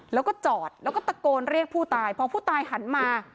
แล้วก็จอดแล้วก็ตะโกนเรียกผู้ตายพอผู้ตายหันมา